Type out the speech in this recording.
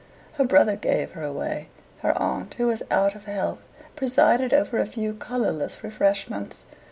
Her brother gave her away, her aunt, who was out of health, presided over a few colourless refreshments.